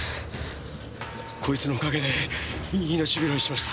こいつのお陰で命拾いしました。